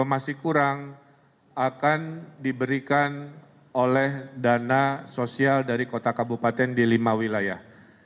kalau masih kurang akan diberikan oleh dana sosial dari kota kabupaten di lima wilayah